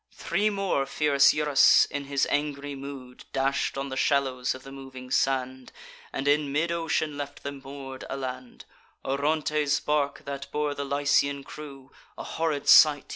Three more fierce Eurus, in his angry mood, Dash'd on the shallows of the moving sand, And in mid ocean left them moor'd a land. Orontes' bark, that bore the Lycian crew, (A horrid sight!)